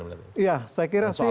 saya kira sih